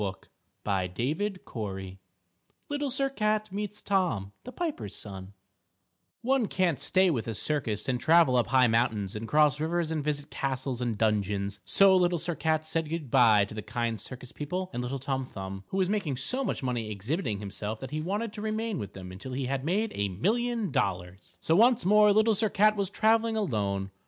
LITTLE SIR CAT Little Sir Cat Meets Tom, the Piper's Son One can't stay with a circus and travel up high mountains and cross rivers and visit castles and dungeons, so Little Sir Cat said good by to the kind circus people and little Tom Thumb, who was making so much money exhibiting himself that he wanted to remain with them until he had made a million dollars. So once more Little Sir Cat was traveling alone.